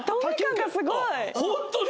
ホントに！